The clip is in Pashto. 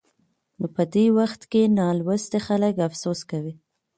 نو په دې وخت کې نالوستي خلک افسوس کوي.